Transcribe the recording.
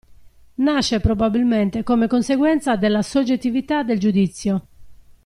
Nasce probabilmente come conseguenza della soggettività del giudizio.